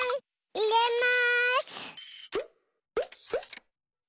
いれます！